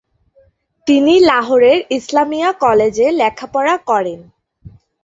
তিনি লাহোরের ইসলামিয়া কলেজে লেখাপড়া করেন।